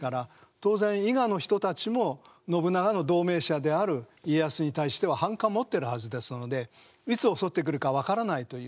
当然伊賀の人たちも信長の同盟者である家康に対しては反感持ってるはずですのでいつ襲ってくるか分からないという。